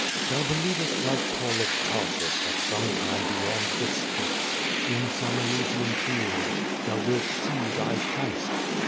Thou believest, like PauiAof Tarsus, that some time beyond the Styx, in some Elysian fields, thou wilt sue thy Clirist.